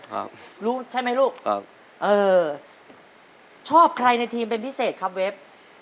ครับรู้ใช่ไหมลูกครับเออชอบใครในทีมเป็นพิเศษครับเว็บ